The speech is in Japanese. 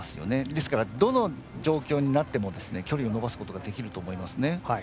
ですから、どの状況になっても距離を伸ばすことができると思いますね。